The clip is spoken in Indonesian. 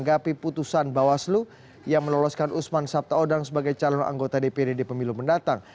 keputusan bawaslu yang menoloskan usman sabtaodang sebagai calon anggota dpd di pemilu mendatang